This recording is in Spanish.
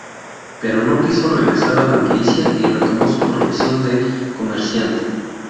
Pero no quiso regresar a la milicia y retomó su profesión de comerciante.